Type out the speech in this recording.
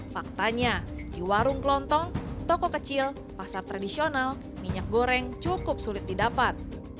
faktanya di warung kelontong toko kecil pasar tradisional minyak goreng cukup sulit didapat